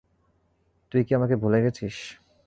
তুই কি আমাকে ভুলে গেছিস?